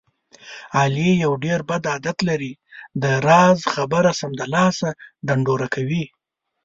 علي یو ډېر بد عادت لري. د راز خبره سمدلاسه ډنډوره کوي.